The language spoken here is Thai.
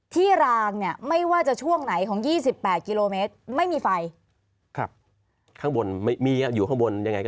ที่รางเนี่ยไม่ว่าจะช่วงไหน